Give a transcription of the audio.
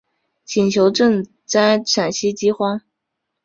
请求赈灾陕西饥荒。